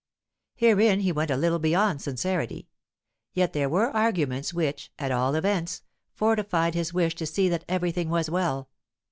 Herein he went a little beyond sincerity; yet there were arguments which, at all events, fortified his wish to see that everything was well.